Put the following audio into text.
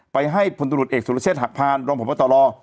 ไปให้พนตรุษเอกสุรเชษฐ์หักพาลรองผลประตอรอ